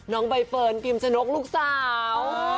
น้องใบเฟิร์นพิมชนกลูกสาว